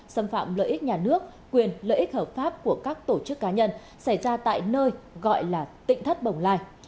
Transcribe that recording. xâm phạm lợi ích nhà nước quyền lợi ích hợp pháp của các tổ chức cá nhân xảy ra tại nơi gọi là tỉnh thất bồng lai